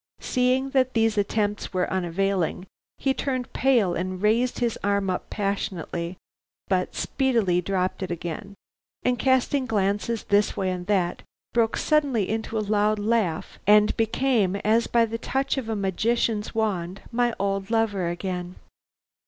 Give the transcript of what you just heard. Seeing that these attempts were unavailing, he turned pale and raised his arm up passionately, but speedily dropped it again, and casting glances this way and that, broke suddenly into a loud laugh and became, as by the touch of a magician's wand, my old lover again.